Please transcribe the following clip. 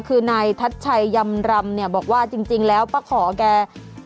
คือนายทัชชัยยำรำเนี่ยบอกว่าจริงแล้วป้าขอแก